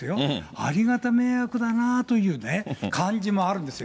ありがた迷惑だなという感じもあるんですよ。